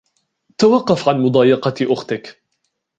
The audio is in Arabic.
توقف عن مضايقة أُختك!